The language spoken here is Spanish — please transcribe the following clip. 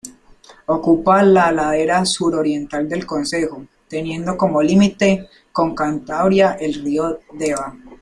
Ocupa la ladera suroriental del concejo, teniendo como límite con Cantabria el río Deva.